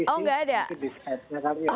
oh tidak ada